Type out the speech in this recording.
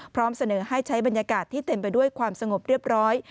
พร้อมเสนอให้ใช้บรรยากาศที่เต็มไปด้วยความสงบเรียบร้อย